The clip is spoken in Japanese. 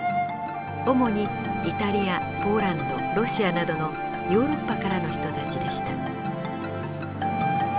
主にイタリアポーランドロシアなどのヨーロッパからの人たちでした。